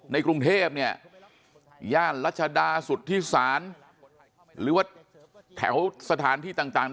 ในกรุงเทพย่านรัชดาสุทธิศาลหรือว่าแถวสถานที่ต่าง